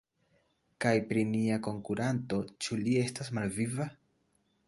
Kaj pri nia konkuranto, ĉu li estas malviva?